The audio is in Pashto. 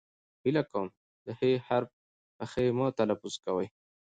هیله کوم د ښ حرف په خ مه تلفظ کوئ.!